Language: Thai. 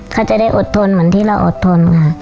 เขาจะได้อดทนเหมือนที่เราอดทนค่ะ